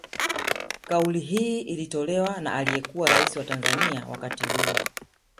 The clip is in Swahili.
Kauli hii ilitolewa na aliyekuwa raisi wa Tanzania wakati huo